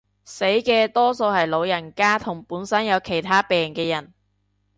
死嘅多數係老人家同本身有其他病嘅人